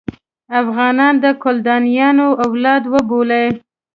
افغانان د کلدانیانو اولاد وبولي.